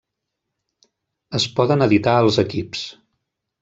Es poden editar els equips.